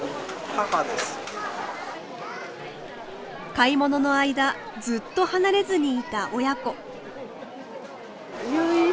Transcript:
買い物の間ずっと離れずにいた親子。